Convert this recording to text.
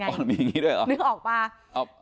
นึกออกป่ะ